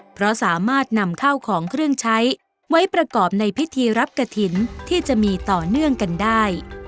เพราะสามารถนำข้าวของเครื่องใช้ไว้ประกอบในพิธีรับกระถิ่นที่จะมีต่อเนื่องกันได้